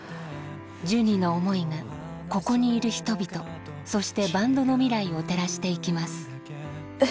ジュニの想いがここにいる人々そしてバンドの未来を照らしていきますえ。